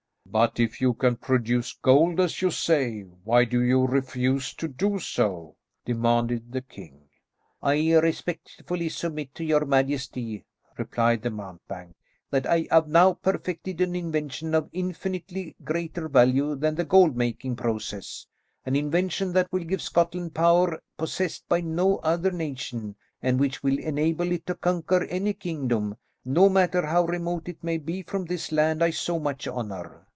"But if you can produce gold, as you say, why do you refuse to do so?" demanded the king. "I respectfully submit to your majesty," replied the mountebank, "that I have now perfected an invention of infinitely greater value than the gold making process; an invention that will give Scotland a power possessed by no other nation, and which will enable it to conquer any kingdom, no matter how remote it may be from this land I so much honour.